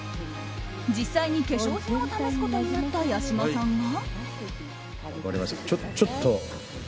実際に化粧品を試すことになった八嶋さんが。